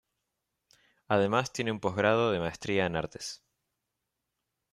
Además tiene un post grado de Maestría en Artes.